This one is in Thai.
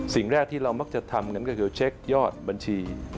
สิ่งแรกที่เรามักจะทำกันก็คือเช็คยอดบัญชี